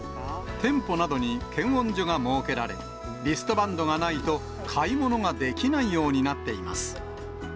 店舗などに検温所が設けられ、リストバンドがないと、買い物ができないようになっています。